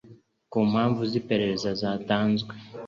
ku mpamvu z'iperereza zatanzwe